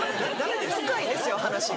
深いですよ話が。